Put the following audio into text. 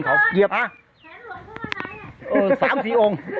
สามสี่องค์